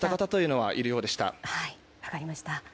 分かりました。